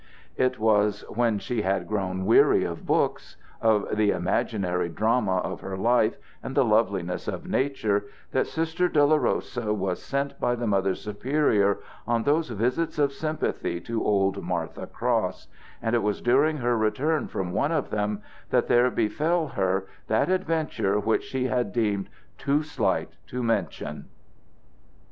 It was when she had grown weary of books, of the imaginary drama of her life, and the loveliness of Nature, that Sister Dolorosa was sent by the Mother Superior on those visits of sympathy to old Martha Cross; and it was during her return from one of them that there befell her that adventure which she had deemed too slight to mention.